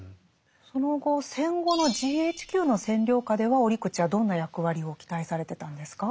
その後戦後のＧＨＱの占領下では折口はどんな役割を期待されてたんですか？